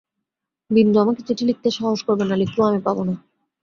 বিন্দু আমাকে চিঠি লিখতে সাহস করবে না, লিখলেও আমি পাব না।